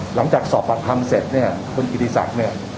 หลังจากสอบปรัดคำเสร็จเนี่ยคุณกิริษัทเนี่ย